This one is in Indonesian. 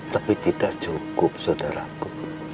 tapi tidak cukup saudaraku